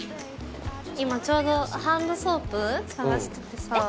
今ちょうどハンドソープ探しててさ。